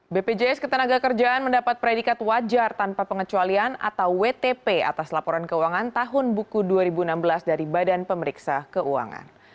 bpjs ketenaga kerjaan mendapat predikat wajar tanpa pengecualian atau wtp atas laporan keuangan tahun buku dua ribu enam belas dari badan pemeriksa keuangan